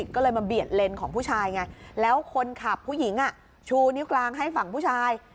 ก็เลยมาเบียดเลนของผู้ชายไงแล้วคนขับผู้หญิงชูนิ้วกลางให้ฝั่งผู้ชาย